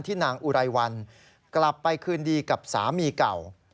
นางอุไรวันกลับไปคืนดีกับสามีเก่า